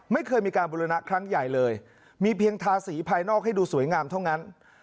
ไม่เคยมีการบุรณะครั้งใหญ่เลยมีเพียงทาสีภายนอกให้ดูสวยงามเท่านั้น